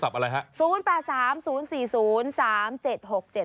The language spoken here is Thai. หมายเรียกโทรศัพท์อะไรฮะ